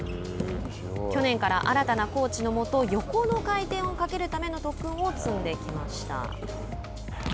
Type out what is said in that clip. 去年から新たなコーチのもと横の回転をかけるための特訓を積んできました。